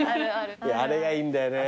あれがいいんだよね。